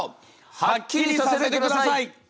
はっきりさせてください！